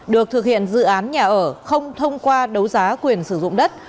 được thực hiện dự án nhà ở không thông qua đấu giá quyền sử dụng đất